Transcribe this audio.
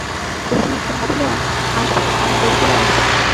কুসুম একটু ভাবিল আসব, অনেক দেরি করে আসব।